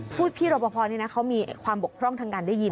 พี่รอปภนี่นะเขามีความบกพร่องทางการได้ยิน